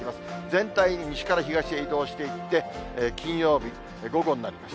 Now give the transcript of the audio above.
全体に西から東へ移動していって、金曜日、午後になります。